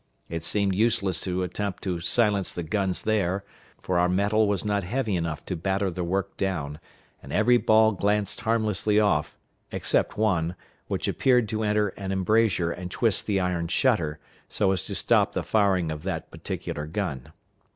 It seemed useless to attempt to silence the guns there; for our metal was not heavy enough to batter the work down, and every ball glanced harmlessly off, except one, which appeared to enter an embrasure and twist the iron shutter, so as to stop the firing of that particular gun.